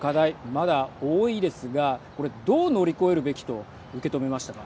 まだ多いですがこれ、どう乗り越えるべきと受け止めましたか。